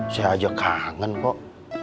saya aja kangen kok